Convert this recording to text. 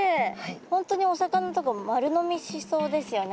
本当にお魚とか丸飲みしそうですよね